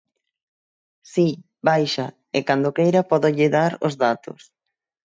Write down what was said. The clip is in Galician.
Si, baixa, e cando queira pódolle dar os datos.